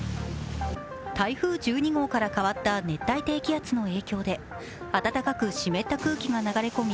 台風１２号から変わった熱帯低気圧の影響で暖かく湿った空気が流れ込み